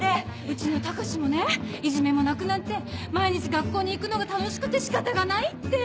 うちの高志もねいじめもなくなって毎日学校に行くのが楽しくて仕方がないって。